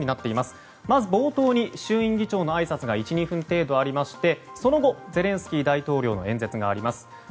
まず、冒頭に衆院議長のあいさつが１２分程度ありましてその後、ゼレンスキー大統領の演説があります。